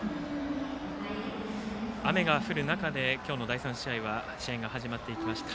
雨が降る中で今日の第３試合は試合が始まっていきました。